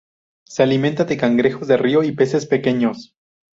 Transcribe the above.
Se alimenta de cangrejos de río y peces pequeños.